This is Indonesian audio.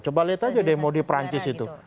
coba lihat aja demo di perancis itu